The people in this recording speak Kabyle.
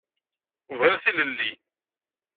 Bɣiɣ tilelli.